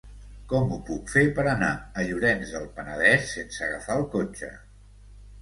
Com ho puc fer per anar a Llorenç del Penedès sense agafar el cotxe?